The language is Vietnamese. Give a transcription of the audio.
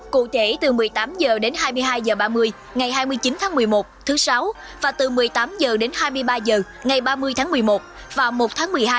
cụ thể từ một mươi tám h đến hai mươi hai h ba mươi ngày hai mươi chín tháng một mươi một thứ sáu và từ một mươi tám h đến hai mươi ba h ngày ba mươi tháng một mươi một và một tháng một mươi hai